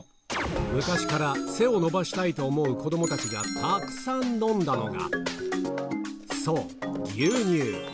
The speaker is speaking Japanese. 昔から背を伸ばしたいと思う子どもたちがたくさん飲んだのが、そう、牛乳。